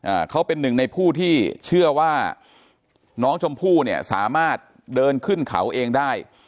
อ่าเขาเป็นหนึ่งในผู้ที่เชื่อว่าน้องชมพู่เนี่ยสามารถเดินขึ้นเขาเองได้